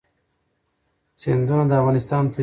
سیندونه د افغانستان د طبیعت برخه ده.